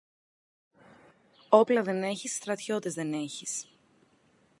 Όπλα δεν έχεις, στρατιώτες δεν έχεις.